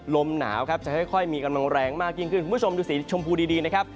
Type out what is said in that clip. ลมหนาวครับจะค่อยมีกำลังแรงมากยิ่งขึ้นคุณผู้ชมดูสีชมพูดีนะครับ